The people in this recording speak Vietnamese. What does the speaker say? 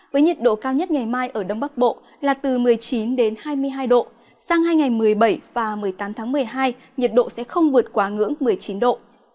với nhiệt độ cao nhất ngày mai ở đông bắc bộ là từ một mươi chín hai mươi hai độ sang hai ngày một mươi bảy và một mươi tám tháng một mươi hai nhiệt độ sẽ không vượt quá ngưỡng một mươi chín độ